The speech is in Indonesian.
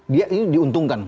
dia ini diuntungkan